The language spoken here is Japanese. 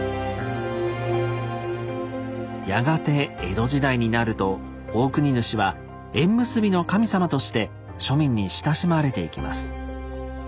やがて江戸時代になるとオオクニヌシは「縁結びの神様」として庶民に親しまれていきます。